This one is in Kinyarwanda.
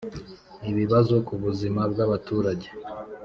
ibibazo ku buzima bw'abaturage.